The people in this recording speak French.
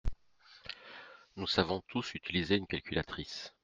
Nous savons tous utiliser une calculatrice.